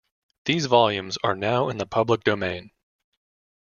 These volumes are now in the public domain.